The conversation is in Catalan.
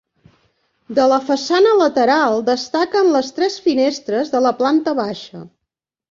De la façana lateral destaquen les tres finestres de la planta baixa.